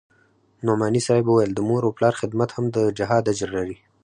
نعماني صاحب وويل د مور و پلار خدمت هم د جهاد اجر لري.